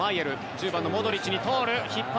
１０番のモドリッチに通る。